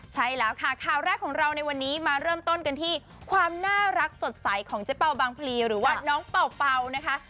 ใช่แล้วค่ะข่าวแรกของเราในวันนี้มาเริ่มต้นกันที่ความน่ารักสดใสของเจ๊เป่าบางพลีหรือว่าน้องเป่านะคะ